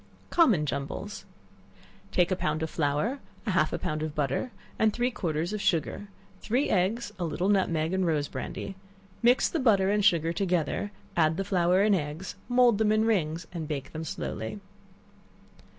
Common Jumbles. Take a pound of flour, half a pound of butter, and three quarters of sugar, three eggs, a little nutmeg and rose brandy; mix the butter and sugar together, and add the flour and eggs; mould them in rings, and bake them slowly.